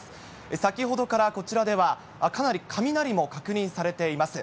先ほどからこちらでは、かなり雷も確認されています。